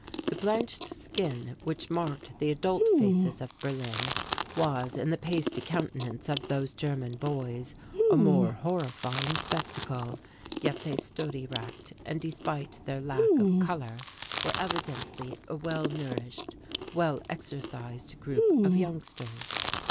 The blanched skin, which marked the adult faces of Berlin, was, in the pasty countenance of those German boys, a more horrifying spectacle. Yet they stood erect and, despite their lack of colour, were evidently a well nourished, well exercised group of youngsters.